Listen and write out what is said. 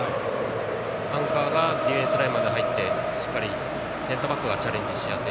アンカーがディフェンスラインまで入ってしっかりセンターバックがチャレンジしやすい。